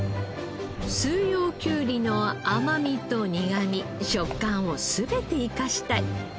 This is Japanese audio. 四葉きゅうりの甘みと苦み食感を全て生かしたい。